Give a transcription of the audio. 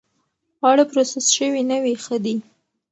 خواړه پروسس شوي نه وي، ښه دي.